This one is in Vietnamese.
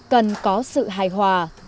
cần có sự hài hòa